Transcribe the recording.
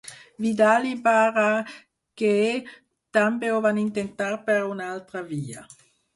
Vidal i Barraquer també ho va intentar per una altra via.